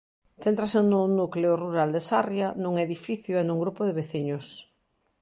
Céntrase nun núcleo rural de Sarria, nun edificio e nun grupo de veciños.